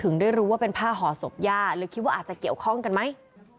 ถึงได้รู้ว่าใครเป็นผ้าหอศพหญ้าหรือคิดว่าอาจจะเกี่ยวข้องกันไหม